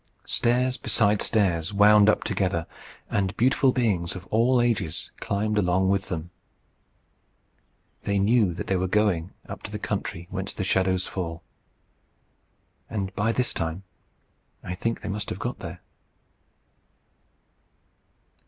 Stairs beside stairs wound up together, and beautiful beings of all ages climbed along with them. They knew that they were going up to the country whence the shadows fall. And by this time I think they must have got there.